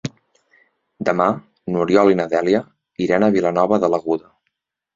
Demà n'Oriol i na Dèlia iran a Vilanova de l'Aguda.